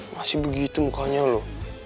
masih begitu mukanya lo